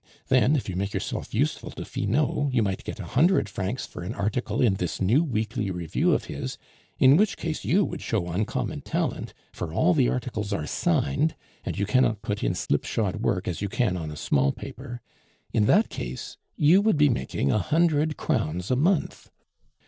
Then if you make yourself useful to Finot, you might get a hundred francs for an article in this new weekly review of his, in which case you would show uncommon talent, for all the articles are signed, and you cannot put in slip shod work as you can on a small paper. In that case you would be making a hundred crowns a month.